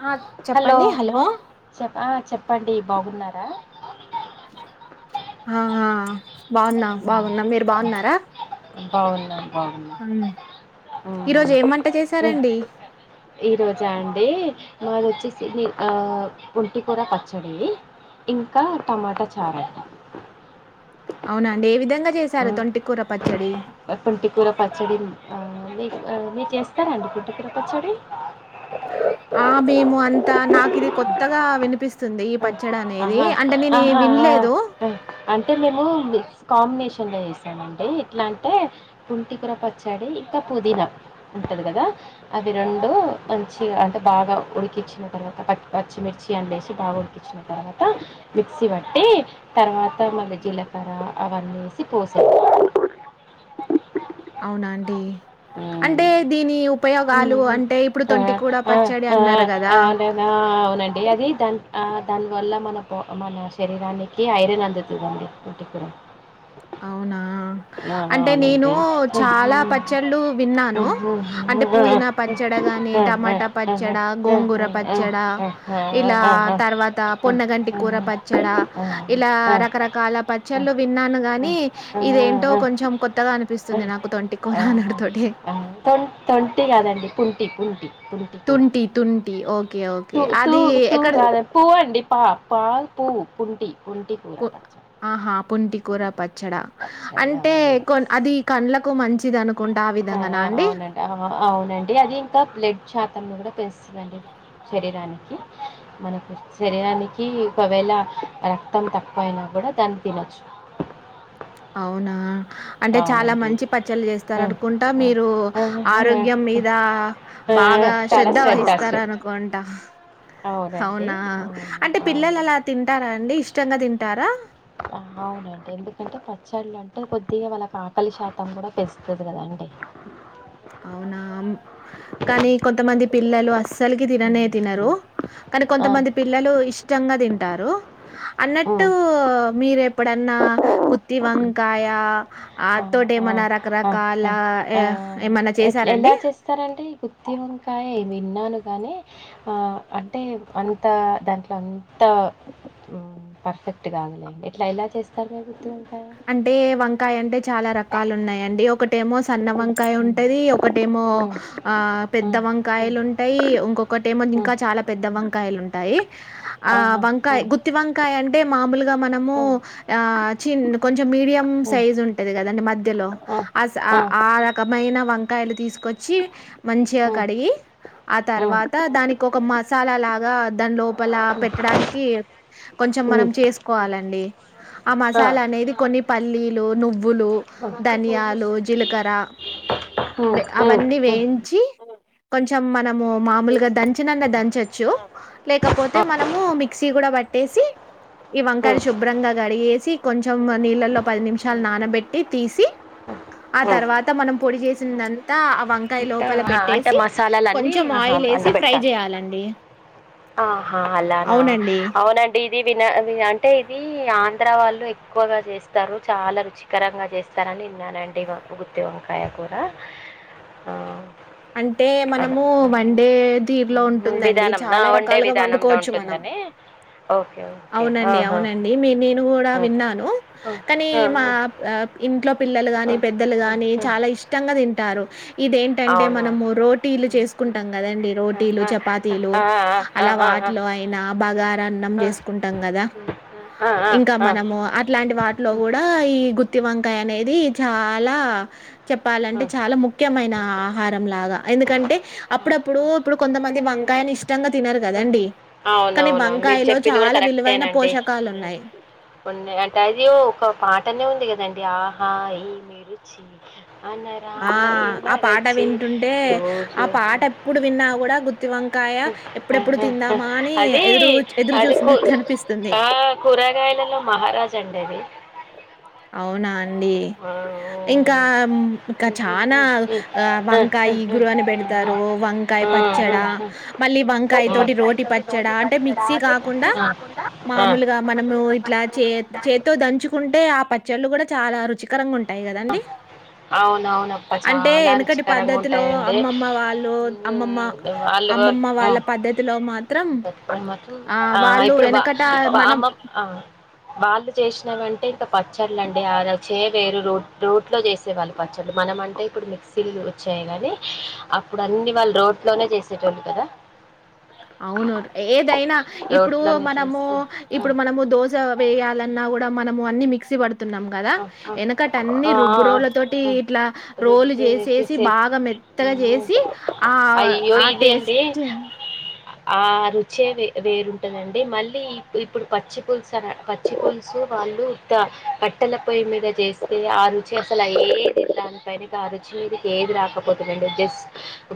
ఆ హలో చెప్పండి చెప్ఆ చెప్పండి బాగున్నారా ఆ ఆ బాగున్నా బాగున్నా మీరు బాగున్నారా అవును అవును. ఈరోజు ఏం వంట చేశారండి ఈ రోజా అండి మాది వచ్చేసి ఒంటి కూర పచ్చడి ఇంకా టమాటా చార అవున అండి ఏ విధంగా చేశారు తొంటికూర పచ్చడి పటికోరా పాచడి మీకు మీకు చేస్తారాండి ఫుడ్డు తిరకొ వచ్చడి ఆ మేము అంతా నాకు ఇది కొత్త కొత్తగా వినిపిస్త ఆహా ఆహా వినలేదు అంటే మేము కాంబినేషన్లో చేసానండి ఎట్లా అంటే పుంటికర పచ్చాడి ఇంకా పుదీనా ఉంటుంది కదా అవి రెండు మంచిగా అంటే బాగా ఉడికించిన తర్వాత పచ్చ పచ్చిమిర్చి అండేసి బాగా ఉడి తర్వాత మిక్సీ పట్టి తర్వాత మళ్ళీ జీలకర్ర అవన్నీ వేసి పోసే అవునాండి అంటే దీని ఉపయోగాలు హ్మ్. అంటే ఇప్పుడు ఆ! తొంటి కూడా ఆ! పచ్చడి ఆ! అన్నారు కదా ఆ! అంటేనా ద వల్ల మన మన శరీరానికి ఐరన్ అందుతుందండి ఉటి కూడార అవునా అంటే నేను అవునండి. హుహు. చాలా పచ్చళ్ళు విన్నాను హుహు. అంటే ఆ! పుదీనా పచ్చడి గాని ఆ! టమాటా ఆ! ఆ! పచ్చడి ఆ! గోంగూర ఆ! ఆ! ఆ! పచ్చడా ఆ! ఆ! ఇలా ఆ! ఆ! ఆ! తర్వాత పొన్నగంటి కూూర పచ్చడా ఇలా ఆ! రకరకాల పచ్చళ్ళు విన్నాను కాగాని ఇదేంటో అనిపిస్తుంది నాకు తొంటి కూర అనడుతోటి. త తొంటి కాదండి పుంటి ఎంటి తుంటి తుంటి ఓకే. ఓకే. తూ అది ఎక్కడ తూగాద పోవండి పా పాల్ పూవు కుంటి ఆహా పుంటి కూర పచ్చడా పచ్చడి ఆ, అంటే కొ అది కండ్లకు మ ఆ అవునండి అవునండి అది ఇంకా బ్లెడ్ శాతం కూడా పెంచ మన్చిధి శరీరానికి మనకు శరీరానికి ఒకవేళ రక్తం తక్కువ అయినా కూడా దాన్ని తినచ్చు అవునా అంటే చాలా మంచి పచ్చళ చేస్తారు ఉం, అనుకుంటా ఉం, మీరు ఉం, ఉం, ఉం. ఆరోగ్యం మీద బాగా చాలా శ్రద్ధ వహిస్తార శ్రద్ధ అనుకుంటా అవునండి అవునా అవును అంటే పిల్లలు అవును అలా తింటారా అండి ఇష్టంగా తి ఇంటార అవునండి ఎందుకంటే పచ్చళ్ళు అంటే కొద్దిగా వాళ్ళకి ఆకలి శాతం కూడా పెస్తుంది కదండి అవునా కానీ కొంతమంది పిల్లలు అస్సలుకి తిననే తినరు ఆ! కానీ ఆ! కొంతమంది ఆ! పిల్లలు ఇష్టంగా తింటారు అన్నట్టు మీరే ఎప్ ప్పుడన్నా గుత్తి వంకాయ ఆ తోటి ఏమన్నా రకరకాల ఏ ఎట్ల్ ఎలా చేస్తారంటే ఈ గుత్తి వంకాయ విన్నాను కానీ అంటే అంత దాంట్లో అంత పర్ఫెక్ట్ కాగలేండి ఇట్లా ఇలా చేస్ తగేకుతు అంటే వంకాయ్ అంటే చాలా రకాలు ఉన్నాయండి ఒక టేమో సన్న వంకాయ హ్మ్. ఉంటది ఒకటేమో హ్మ్. ఆ హ్మ్. ఆ! ఆ! పెద్ద వంకాయలుంటాయి ఇంకొకటేమో ఆ! ఇంకా చాలా పెద్ద వంకాయలు ఉంటాయి ఆ ఆహా! ఆ! వంకాయ్ గుత్తి వంకాయ అంటే మామూల్ మనము ఆ! ఆ చిన్ కొంచం మీడియం సైజ్ ఆ! ఉంటది కదాండి మధ్య ధ్యలో అస్ ఆ అరకమైన వంకాయలు తీసుకొచ్చి మంచిగా హ్మ్. కడిగి ఆ హ్మ్. తర్వాత దానికి ఒక మసాలా లాగా దాని లోపల హ్మ్. పెట్టడానికి కొంచం మనం హ్మ్. చేసుకోవాలండి ఆ మసాలా అనేది ఇ పల్లీలో నువ్ వ్వులు హ్మ్. హ్మ్. ధనియాలు జీలకర్ర హ్మ్. హ్మ్. అవన్నీ హ్మ్. వేయించి కొంచం మనం మో మాముల్గా దంచిన దాంచోచు లేకపోతే మనము మిక్సి గూడ బ టెసి ఈ హ్మ్. వంకాలు శుభ్రంగా కడిగేసి కొంచం మన్ నీళ్ళలో పది నిమిషాలు నానబెట్టి తీసి ఆ తర్వాత మనం పొడి చేసింది దాన్ అ అంటే మసాలాలన్నీ కొంచెం ఆహా ఆయిల్ అందు వేసి ఫ్రై పెట్టాలి చేయాలండి ఆహా అలానా అవునండి అవునండి ఇది విన అవి అంటే ఇది ఆంధ్ర వాళ్ళు ఎక్కువగా చేస్తారు చాలా రుచికరంగా చేస్తారని విన్నానండి గుత్తి వంకాయ కూర ఆ అంటే అలా మనము ఆ, వండే తిరులో ఉమ్, ఉంటుందండి విధానం ఆ, చాలా వండే రకాలుగా విధానంలో వండుకోవచ్చు మనం ఉంటుందని ఓకే ఓకే అవునండి ఆహా అవునండి మీ నేను గుడా ఉమ్, విన్నాను ఉమ్, కానీ ఉమ్, మా ఉమ్, ఇంట్లో పిల్లలు గాని పెద్దలు ఉమ్, గాని ఉమ్. చాలా ఇష్టంగా తింటారు ఇదేంటంటే అవును మనము రోటీలు ఉమ్, ఉమ్, చేసుకుంటాం కదండి రోటీలు చపాతీలు ఆ, ఆ, ఆ, ఆ, అలా ఆ, ఆ, ఆ, ఆ, వాటిలో అయినా బగారా అన్నం చేసు ఉంటాం గదా ఆ, ఆ, ఆ, ఇంకా ఆ, ఆ. మనము అట్లాంటి వాటిలో కూడా ఈ గుత్ గుత్తి వంకాయ అనేది చాలా ఆ, చెప్పాలంటే చాలా ముఖ్యమైన ఆహారంలాగా ఎందుకంటే ఆ, ఆ. అప్పుడప్పుడు ప్పుడు కొంతమంది వంకాయని ఇష్టంగా తినరుకదండి కానీ వంకాయలో పింది కూడా చాలా విలువైన కరెక్టేనండి పోషకాలున్నాయి. ఉన్నా అంటే అది ఒక పాటనే ఉంది కదా ఎ ఆహా ఎమి రుచి ఆ ఆ పాట వింటుంటే ఆ రోజు పాట ఎప్పుడు విన్నా కూడా గు అని అది ఎదురు ఎదురు అది కూ చూసినట్టు అనిపిస్తుంది. ఆ కూరగాయలలో మహారాజ అండి అది అవునా ఆ, ఇంకా ఇంకా ఆ, ఆ, చనా ఆ, ఆ, వంకాయ గురువని పెడతారు వంకాయ ఆ, ఆ, ఆ, పచ్చడా ఆ, ఆ. మళ్ళీ వంకాయ ఆ. తోటి రోటి వంకాయతోటి పచ్చడా అంటే పచ్చడి మిక్సీ అంటే కాకుండా రుచి ఆ. కాకుండా ఆ, మామూలుగా మనము మామూలుగా ఇట్లా మనకు చే ఇలాంటి చేతితో దంచుకుంటే ఆ ప చెల్లు కూడా చాలా రుచికరంగా ఉంట అవున అవునప్ప అంటే చాలా ఎనకటి రుచికరంగా పద్ధతిలో ఉంటాయండి అమ్మమ్మ వాళ్ళు అమ్మమ్మ అమ్మమ్మ వాళ్ళ పద్ధతిలో మాత్రం వాళ్ళుప్పుడు మాత్రం ఆహ్, ఆ వాళ్ళు ఇప్పుడు బ వెనకట మనం అమ్మ వాళ్ళు చేసినవంటే ఇంకా ప చల్లండి ఆ ర చే వేరు రోడ్ రోడ్లో చేసేవాళ్ళు పచ్చళ్ మనం అంటే ఇప్పుడు మిక్సీలు వచ్చాయి కానీ అప్పుడు అన్ని వాళ్ళు రోట్లోనే చేసేటోళ్ళు కదా అవును ఏదైనా ఇప్పుడు రోట్లోనే మనము చేసి ఇప్పుడు మ్మ్. మనము దోశ వేయాలన్నా కూడా మనము అన్ని మిక్సీ పడుతు న్నాం కదా ఆ వెనకట అన్ని ఆ ఆ రుబ్బు ఆ రోల తటి ఇట్లా ఆ రోలు రుబ్బితే చేసేసి బాగా మెత్తగా చేసి అయ్యో ఆ ఇది అండి టేస్ట్ ఆ రుచి వేరుంటందండి మళ్ళీ ఇప్పుడు పచ్చి పులుసు పచ్చి పులుసు వాళ్ళు ప కట్టల పొయ్యి మీద చేస్తే ఆ రుచి అసలు అది దాని పైన ఆ రుచి మీదకి ఏది రాకపోతుందిండి జస్ట్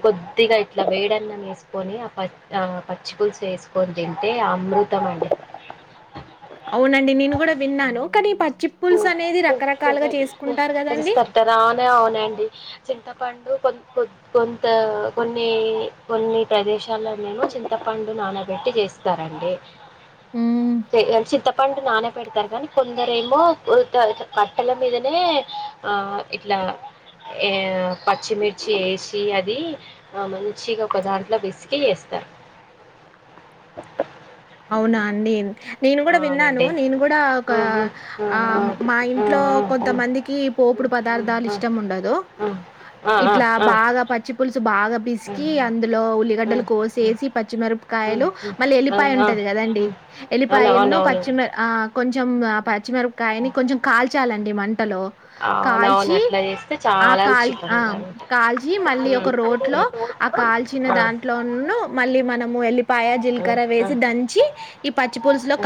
కొద్దిగా ఇట్లా వేడన్నం వేసుకొని ఆ ప పచ్చి పులుసు వేసుకొని తింటే అమృతం అండి పొయ్యి మీద చేస్తే ఆ రుచి అసలు అది దాని పైన ఆ రుచి మీదకి ఏది రాకపోతుందిండి జస్ట్ కొద్దిగా ఇట్లా వేడన్నం వేసుకొని ఆ ప పచ్చి పులుసు వేసుకొని తింటే అమృతం అండి అవునండి నేను కూడా విన్నాను కనీ ప గదండీ! ట్టారు అవున అవున అండి చింత పండు కొ కొ కొంత కొన్ని కొన్ని ప్రదేశాల్లో మేమ చింతపండు నానబెట్టి చేస్తారండి హ్మ్. చిత్తపండు ననేే పెడతారు కానీ కొందరు ఏమో పట్టల మీదనే ఆ ఇట్లా ఆ పచ్చిమిర్చి వేసి అది ఆ మంచిగా ఒక దాంట్లో బసిక వేస్తారు అవునా అండి నేను కూడా విన్నాను అవునండి నేను కూడా ఒక ఆ ఆ మా ఇంట్లో ఆ ఆ కొంతమందికి పోపుడు పదార్థాలు ఆ ఆ ఇష్టం ఉండదు ఇట్లా బాగా పచ్చి పులుసు బాగా పిసికి అందులో ఉల్లిగడ్డలు కోసేసి అవునవునవును. పచ్చిమిరపకాయలు మల్లి ఎల్లి ఉల్లిపాయ ఉంటంది కదండి ఎలిపాయన్నో పచ్చిమి కొంచెం మరపకాయని కొంచెం కాల్ చ్చాలండి మంచి లో అవునవును. కాల్చి అట్లా చేస్తే ఆ చాలా కాల్చ రుచికరంగా ఉంటది. కాల్చి మళ్ళీ ఒక కాల్చి మళ్ళీ రోట్ లో ఒక ఆ రోట్లో కాల్చిన ఆ! దాంట్లో మళ్ళీ మనము వెళ్ళ పాయా ఆ! జిల్కర ఆ! వేసి దంచి ఈ పచ్చి పుల్సు లో ఆ!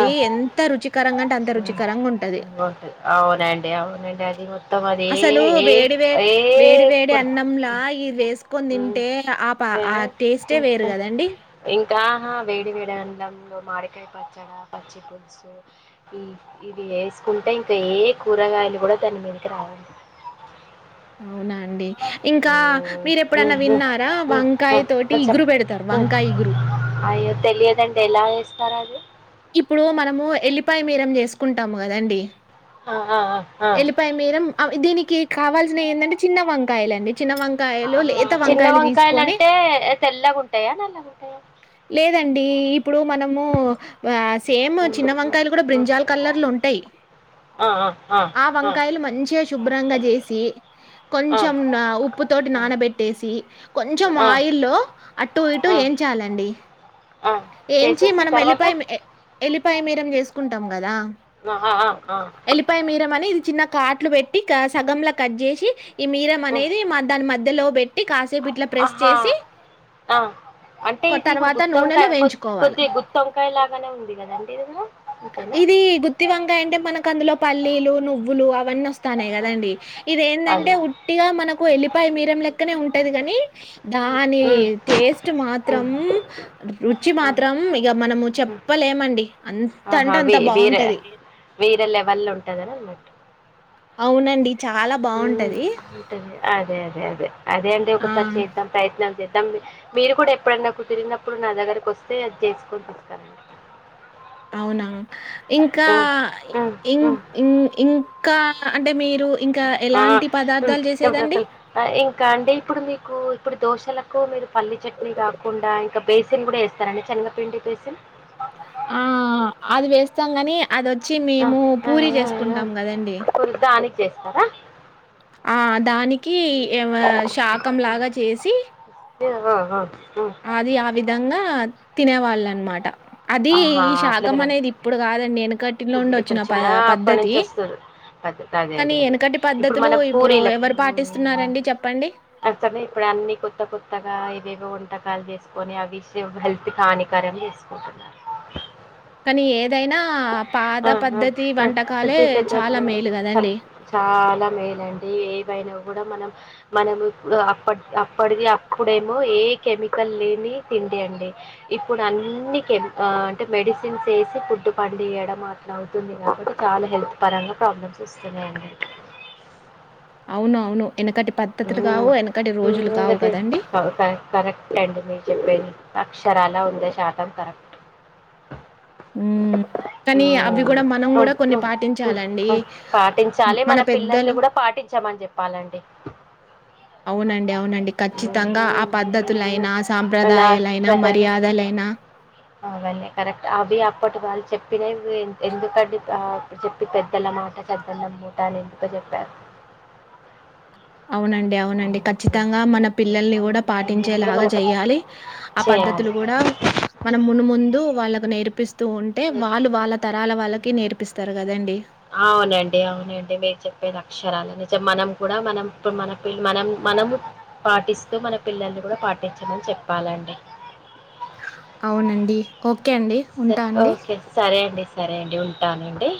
ఆ! ఎంత రుచికరంగా అంటే అంత హ్మ్. రుచికరంగా ఉంటది బావుంటది. అవునండి. అవునండి. అది మొత్తం అదే అసలు ఏ వేడి ఏ వేడి వేడి కూర అన్నంలా ఇది వేసు కొని హ్మ్. తింటే ఆ పా ఆ హ్మ్. టేస్టే వేరు ఏ కదండి ఇంకా వేడి వేడి అన్నంలో మాడికాయ పచ్చడి పచ్చి పులుసు ఇ ఇవి ఏసుకుంటే ఇంకా ఏ కూరగాయలు కూడా దాని మీదకి రావండి అవునా అండి ఇంకా మీరు ఎప్పుడనా విన్నారా వంకాయ్ తోటి చెప్ ఇగురు పెడతారు వంకాయ్ ఇగురు స్తారూ అది ఇప్పుడు మనము ఎల్లిపాయ మీరం చేసుకుంటాము కదండి ఆ ఆ ఆ ఎల్లిపాయ మీరం అవి దీనికి దీనికి కావాల్సినవి ఏందంటే చిన్న వంకాయలు అండి చిన్న ఆ చిన్న వంకాయలు అంటే తెల్లగా ఉంటాయా నల్ల గుంటయా లేదండి ఇప్పుడు మనము ఆ సేమ్ ఉమ్, చిన్న ఉమ్, వంకాయలు కూడా ఉమ్. బ్రింజాల్ కలర్లో ఉంటాయి ఆ వంకాయలు మంచిగా శుభ్రంగా చేసి కొంచెం ఉప్పు తోటి నానబెట్టేసి కొంచెం ఆ ఆ ఆయిల్లో అటు ఇటు ఆ ఏంచాలండి ఆ ఏంచి చేసేసి మనం తర్వాత ఎల్లిపాయ ఎల్లిపాయ మీరం చేసుకు కుంటాము దా ఆ ఆ ఆ ఆ ఎల్లిపాయ మీరమని చిన్న కాట్లు పెట్టి సగంలా కట్ చేసి ఈ మీరం ఉమ్. అనేది మా దాని మధ్యలో పెట్టి కాస్ ఆహా ఆ అంటే కొ ఇది ఇప్పుడు తర్వాత గుత్తొంకాయ నూనెలో అనుకోచు వేయించుకోవాల. కొద్ది గుత్తొంకాయ లాగానే ఉంది కదండి, ఏదనా అంతేనా ట్టా పల్లీలు, నువ్వులు అవన్నీ వస్ స్తా న్నాయి కదండి, ఆ, ఇదేందంటే అదే ఉట్టిగా మనకు ఎల్లిపాయ మీరం లెక్కనే ఉంటది. కాని ఉమ్, దాని ఉమ్, టేస్ట్ ఉమ్, మాత్రం రూట్ ఆ, మాత్రం ఇక మనము ఉమ్. చెప్పలేమండి అంత ఆహా అంటే అంత వి వీర బావుంటది. వీర లె వల్ల ఉంటది గద [unintelligible] అవునండి చాలా ఉమ్ బావుంటది. ఉంటది అదే అదే అదే అదే అండి ఆ! ఒకసారి చేద్దాం ప్రయత్నం చేస్తా మీరు కూడా ఎప్పుడైన్నా కుదిరినప్పుడు నా దగ్గరకి వస్తే అది చేసుకుని వస్తారండి అవునా ఇంకా ఉమ్, ఉమ్, ఇన్ ఉమ్. ఇన్ ఇన్ ఇంకా అంటే మీరు ఇంకా ఆహ్ ఎలాంటి పదార్థాలు చేసేదండి? [unintelligible] ఇంకా అండి ఇప్పుడు మీకు ఇప్పుడు దోసలకు ఎక్కువ మీరు పల్లీ చట్నీ కాకుండా ఇంకా బేసిన్ కూడా వేస్తారండి. శనగపిండి బేసిన్ ఆ అది వేస్తాం గాని అదోచ్చి ఆ! మేము ఆ! పూరి ఆ! ఆ! చేసుకుంటాం కదండి. ఫుల్ దానికి చేస్తారా? ఆ దానిక్ కి ఏమ శాకం లాగా చేసి ఏ ఆ ఆ అది ఆ విధంగా తినే వాళ్ళన్మాట ఆహా అట్లా తిరగకు గాదండి. ప్పుడిది ఇప్పుడిది ఎనకటిలోండొచ్చిన ప వచ్చినా అప్పటి పద్ధతి. నుంచి వస్తుంర్రు, పద్దే తదే అదే కానీ అదే ఎనకటి ఇప్పుడు పద్ధతులు మన ఇప్పుడు పూరీలకు ఎవరు పాటిస్తున్నారండి చెప్పండి? అప్పటినే, ఇప్పుడు అన్ని కొత్త కొత్తగా ఇవేవో వ్ ట్టకాలు చేసుకొని అవిష్యం హెల్త్ కి హానికరంవి చేసుకుంటున్నారు. ఆహ్ కానీ ఏదైనా ఆ పాత ఆహా! పద్ధతి ఆ! వంటకాలే చాలా మేలు కదండి. ఇలామేలంటే ఏ పైనా కూడా మనం మనము ఒ అప్పడ్ అప్పడిగియా అప్పుడేమో, ఏ కెమికల్ లేని తిండి అండి ఇప్పుడు అన్నీ, కేమికా అంటే మెడిసిన్స్ వేసి ఫుడ్డు పండియడ్ ట్లా మొత్తం అవుతుంది. కాబట్టి చాలా హెల్త్ పరంగా ప్రాబ్లమ్స్ వస్తున్నాయండి. అవునవును ఎనకటి పద్ధతులు ఉమ్ గావు, ఎనకటి రోజులు హ్మ్మ్ కావు అంతే గదండీ! కరె ఫైవ్ కరెక్ట్ టైమ్స్ అండి మీరు చెప్పేది. అక్షరాల వుందే శాతం కరెక్ట్ హ్మ్. కానీ అవి ఉమ్ గూడా మనం గూడా హమ్ ఆ కొన్ని హ్మ్ పాటించాలండి. ఆమ్ హ్మ్. పాటించాలి, మన పిల్లల్ని పెద్దలు కూడా పాటించామని చెప్పాలంటే అవునండి, అవునండి ఖచ్చితంగా ఆ పద్ధతులైనా నా సాంప్రదాయాలైనా, ఆశీర్వదను మర్యాదలైనా అవన్నీ కరెక్ట్ అవి అప్పటి వాళ్ళు చెప్పినవివే ఎందుకంటే, ఆ ఆప్డు చెప్పి పెద్దల మాట సద్దనంమ్మూట అని ఎంత చెప్పారు. అవునండే, అవునండి ఖచ్చితంగా మన పిల్లల్ని కూడా అది గూడా పాటించేలాగా మన చెయ్యాలి. ఆ పద్దతులు చేయాలి. కూడా మనం మును ముందు వాళ్ళక్ ఇలా నేర్పిస్ హ్మ్ మ్మ్ నేర్పిస్తారు గదండీ! అవునంటే, అవునంటే మీరు చెప్పేది అక్షరాల నిచం మనం కూడా మనం ఇపుడ్, మనక్ పిల్ల్ మనం మనము పాటిస్తూ, మన పిల్లల్ని కూడా పాటించమని చెప్పాలండె. అవునండి కోక్ సర్చ్ ఓకే సరే అండి సరే అండి ఉంటానంటే